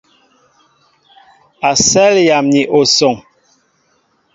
Asέl yam ni osoŋ.